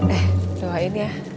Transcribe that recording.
eh doain ya